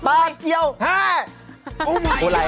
ถ้ากลัวใหล่แห้นได้แล้ว